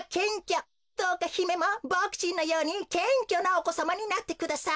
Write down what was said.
どうかひめもボクちんのようにけんきょなおこさまになってください。